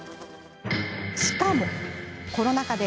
しかもコロナ禍で